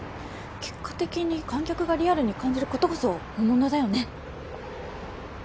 結果的に観客がリアルに感じることこそ本物だよね。